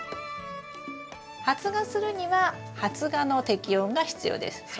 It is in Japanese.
発芽するには発芽の適温が必要です。